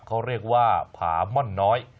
เขาเรียกว่าผาม่อนน้อย